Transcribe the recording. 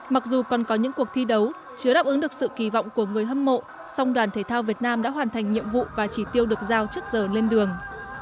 mặc dù còn có những cuộc thi đấu chưa đáp ứng được sự kỳ vọng của người hâm mộ song đoàn thể thao việt nam đã hoàn thành nhiệm vụ và chỉ tiêu được giao trước giờ lên đường